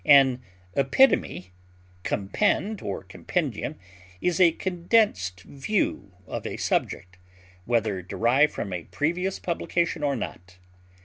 An epitome, compend, or compendium is a condensed view of a subject, whether derived from a previous publication or not.